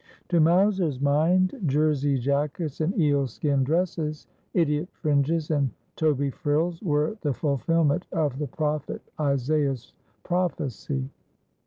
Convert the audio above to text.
To Mowser s mind, jersey jackets and eel skin dresses, idiot fringes and Toby frills, were the fulfilment of the prophet Isaiah's prophecy.